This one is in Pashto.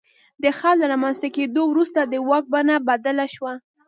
د خط له رامنځته کېدو وروسته د واک بڼه بدله شوه.